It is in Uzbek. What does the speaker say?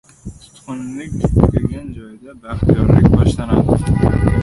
• Tutqunlik tugagan joyda baxtiyorlik boshlanadi.